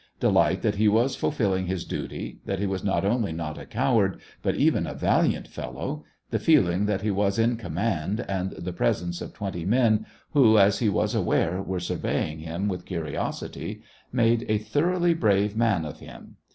Delight that he was fulfilling his duty, that he was not only not a coward, but even a valiant fellow, the feeling that he was in com mand, and the presence of twenty men, who, as he was aware, were surveying him with curiosity, made a thoroughly brave man of him.